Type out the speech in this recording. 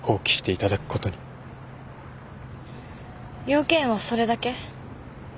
用件はそれだけ？